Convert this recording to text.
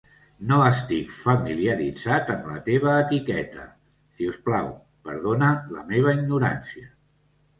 No estic familiaritzat amb la teva etiqueta, si us plau, perdona la meva ignorància.